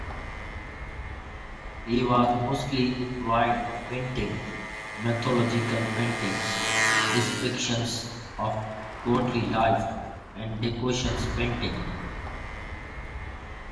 He was mostly employed painting mythological paintings, depictions of courtly life, and decorations paintings.